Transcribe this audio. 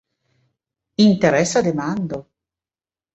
Interesa demando!